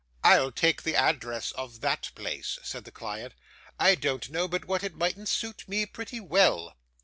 'I'll take the address of that place,' said the client; 'I don't know but what it mightn't suit me pretty well.